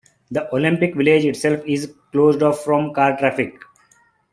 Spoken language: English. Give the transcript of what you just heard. The Olympic Village itself is closed off from car traffic.